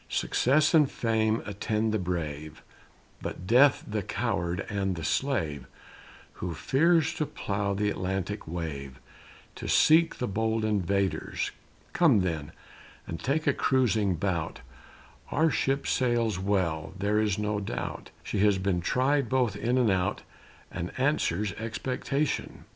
Success and fame attend the brave, But death the coward and the slave, Who fears to plough the Atlantic wave, To seek the bold invaders. Come, then, and take a cruising bout, Our ship sails well, there is no doubt, She has been tried both in and out, And answers expectation.